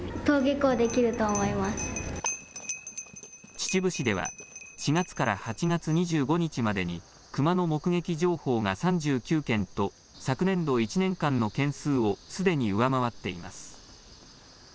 秩父市では４月から８月２５日までにクマの目撃情報が３９件と昨年度１年間の件数をすでに上回っています。